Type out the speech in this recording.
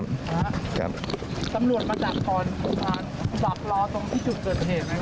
ตำรวจมาจากตอนที่จับรอตรงที่จุดเกิดเหตุไหม